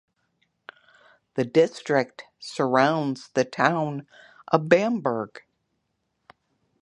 The district surrounds the town of Bamberg.